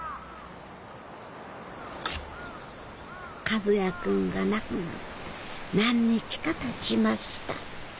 和也君が亡くなって何日かたちました